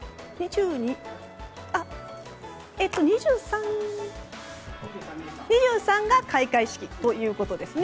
２３日が開会式ということですね。